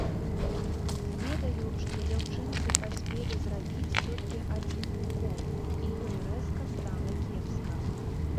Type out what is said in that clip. Ведаю, што дзяўчынцы паспелі зрабіць толькі адзін укол, і ёй рэзка стала кепска.